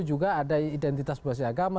juga ada identitas bahasa agama